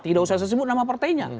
tidak usah saya sebut nama partainya